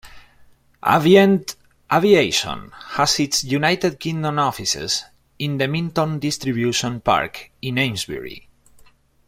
Avient Aviation had its United Kingdom offices in the Minton Distribution Park in Amesbury.